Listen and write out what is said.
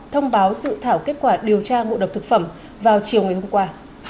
thông báo sự thảo kết quả điều tra ngộ độc thực phẩm vào chiều ngày hôm qua